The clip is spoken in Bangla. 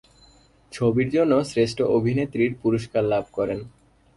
ছবির জন্য শ্রেষ্ঠ অভিনেত্রীর পুরস্কার লাভ করেন।